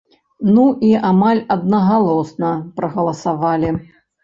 Ну і амаль аднагалосна прагаласавалі.